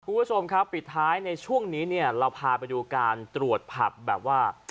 คุณผู้ชมครับปิดท้ายในช่วงนี้เนี่ยเราพาไปดูการตรวจผับแบบว่า